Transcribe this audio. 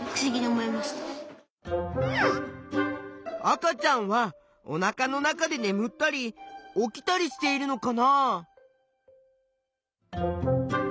赤ちゃんはおなかの中でねむったり起きたりしているのかな？